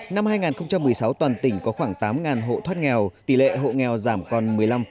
năm hai nghìn một mươi sáu toàn tỉnh có khoảng tám hộ thoát nghèo tỷ lệ hộ nghèo giảm còn một mươi năm